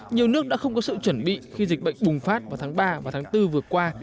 nhiều nước đã không có sự chuẩn bị khi dịch bệnh bùng phát vào tháng ba và tháng bốn vừa qua